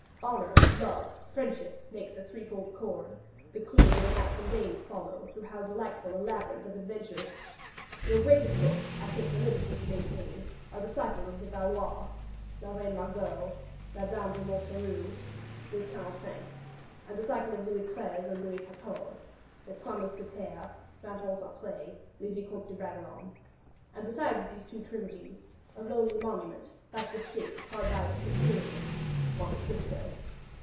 Honour, Love, Friendship make the threefold cord, the clue your knights and dames follow through how delightful a labyrinth of adventures! Your greatest books, I take the liberty to maintain, are the Cycle of the Valois ('La Reine Margot, 'La Dame de Montsoreau,' 'Les Quarante cinq'), and the Cycle of Louis Treize and Louis Quatorze ('Les Trois Mousquetaires,' 'Vingt Ans Aprés,' 'Le Vicomte de Bragelonné); and, beside these two trilogies a lonely monument, like the sphinx hard by the three pyramids 'Monte Cristo.'